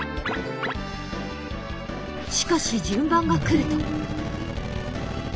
しかし順番がくると。